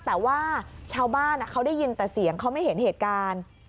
แต่ว่าชาวบ้านเขาได้ยินแต่เสียงเขาไม่เห็นเหตุการณ์